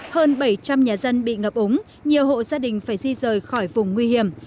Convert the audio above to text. hơn bảy trăm linh nhà dân bị ngập úng nhiều hộ gia đình phải di rời khỏi vùng nguy hiểm